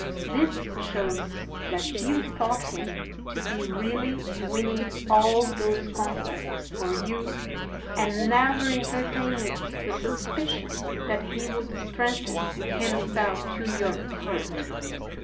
This shows that you thought him to be really winning all those conquests for you and never entertained the suspicion that he would strengthen himself to your hurt.